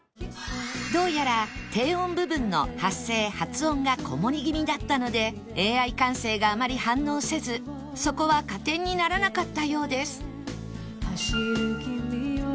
どうやら低音部分の発声発音がこもり気味だったので Ａｉ 感性があまり反応せずそこは加点にならなかったようです